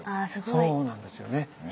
そうなんですよね。